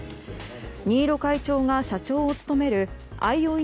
新納会長が社長を務めるあいおい